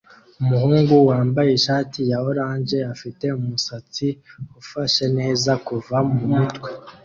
Umuhungu wambaye ishati ya orange afite umusatsi ufashe neza kuva mumutwe